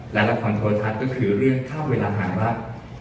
และละครโทรทัศน์ก็คือเรื่องค่าเวลาหารัก